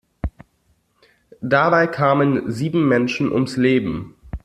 Dabei kamen sieben Menschen ums Leben.